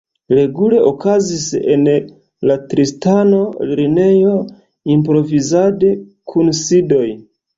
Regule okazis en la Tristano-Lernejo improvizad-kunsidoj.